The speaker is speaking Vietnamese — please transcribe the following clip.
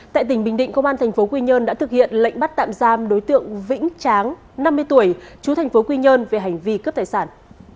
tại tỉnh bình định công an tp hcm đã thực hiện lệnh bắt tạm giam đối tượng vĩnh tráng năm mươi tuổi chú tp hcm về hành vi cướp tài sản